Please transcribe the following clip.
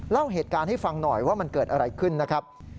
เล่าเหตุการณ์ให้ฟังหน่อยว่ามันเกิดอะไรขึ้นนะครับ